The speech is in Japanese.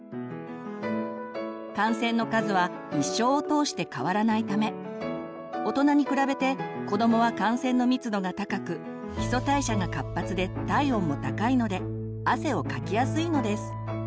汗腺の数は一生を通して変わらないため大人に比べて子どもは汗腺の密度が高く基礎代謝が活発で体温も高いので汗をかきやすいのです。